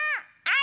あ！